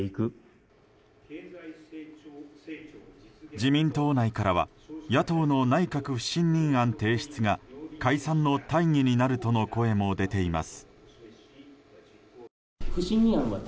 自民党内からは野党の不信任案提出が解散の大義になるとの声も出ています。